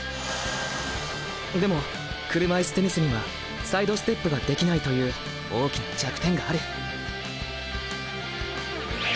でも車いすテニスにはサイドステップができないという大きな弱点がある。